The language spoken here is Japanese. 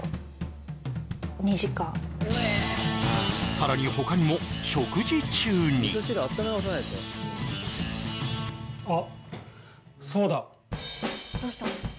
さらに他にも食事中にあそうだどうしたの？